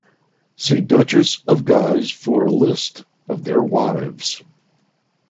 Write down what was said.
See Duchess of Guise for a list of their wives.